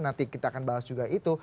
nanti kita akan bahas juga itu